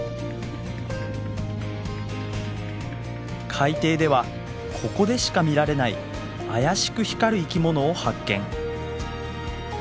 海底ではここでしか見られない怪しく光る生き物を発見。